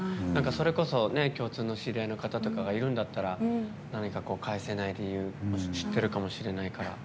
それこそ共通の知り合いの方とかがいるんだったら何か返せない理由知ってるかもしれないから。